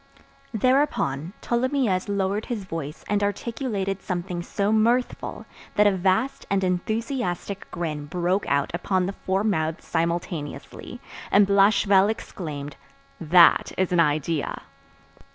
Thereupon, Tholomyès lowered his voice and articulated something so mirthful, that a vast and enthusiastic grin broke out upon the four mouths simultaneously, and Blachevelle exclaimed, "That is an idea."